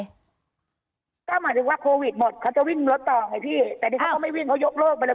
ก็หมายถึงว่าโควิดหมดเขาจะวิ่งรถต่อไงพี่แต่นี่เขาก็ไม่วิ่งเขายกเลิกไปเลย